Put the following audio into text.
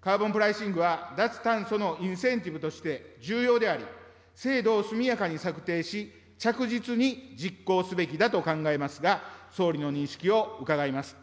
カーボンプライシングは、脱炭素のインセンティブとして重要であり、制度を速やかに策定し、着実に実行すべきだと考えますが、総理の認識を伺います。